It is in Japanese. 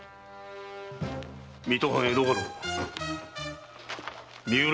水戸藩江戸家老三浦伊賀守。